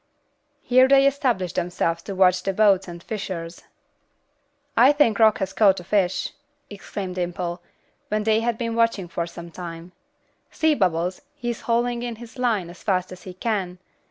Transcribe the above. Here they established themselves to watch the boats and the fishers. "I think Rock has caught a fish," exclaimed Dimple, when she had been watching for some time. "See, Bubbles, he is hauling in his line as fast as he can.